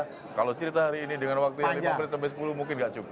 saya sudah bercerita hari ini dengan waktu yang lima belas sampai sepuluh mungkin nggak cukup